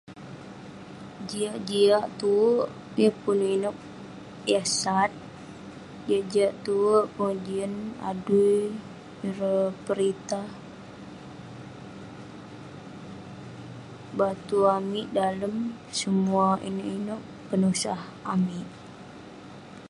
Jiak jiak tue, yeng pun inouk yah sat. Jiak jiak tue pengejian, adui ireh peritah batu amik dalem semuah inouk inouk penusah amik.